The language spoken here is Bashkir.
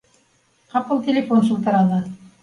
Ҡапыл телефон шылтыраны